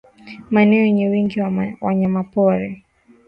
Maeneo yenye wingi wa wanyamapori